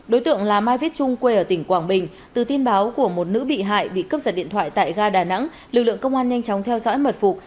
đối tượng là mai viết trung quê ở tỉnh quảng bình từ tin báo của một nữ bị hại bị cướp giật điện thoại tại ga đà nẵng lực lượng công an nhanh chóng theo dõi mật phục